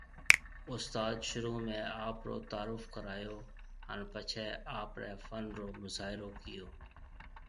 استاد شروع ۾ آپرو تعارف ڪرايو ھان پڇي آپري فن رو مظاھرو ڪيئو